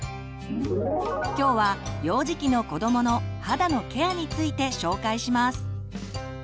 今日は幼児期の子どもの肌のケアについて紹介します。